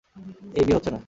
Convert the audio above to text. এই বিয়ে হচ্ছে না।